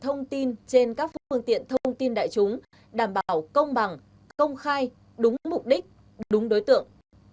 thông tin trên các phương tiện thông tin đại chúng đảm bảo công bằng công khai đúng mục đích đúng đối tượng